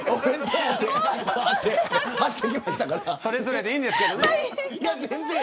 それぞれでいいんですけどね。